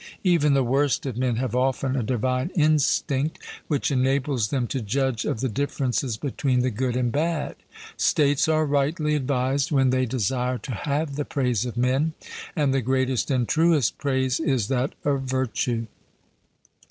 Even the worst of men have often a divine instinct, which enables them to judge of the differences between the good and bad. States are rightly advised when they desire to have the praise of men; and the greatest and truest praise is that of virtue.